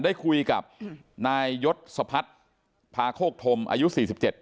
ได้คุยกับนายยศพัฒน์พาโคกธมอายุสี่สิบเจ็ด